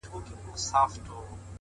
o ته خو له هري ښيښې وځې و ښيښې ته ورځې؛